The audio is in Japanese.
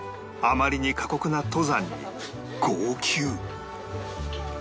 あまりに過酷な登山に号泣